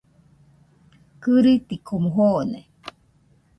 Kɨrɨtikomo joone